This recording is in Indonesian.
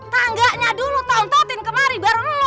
tangganya dulu tonton kemari baru lu